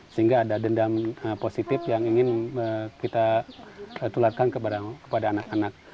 sehingga ada dendam positif yang ingin kita tularkan kepada anak anak